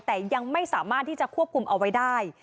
แต่ยังไม่สามารถที่จะควบคุมเอาไว้ได้